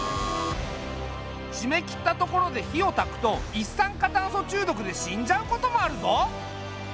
閉めきった所で火をたくと一酸化炭素中毒で死んじゃうこともあるぞ。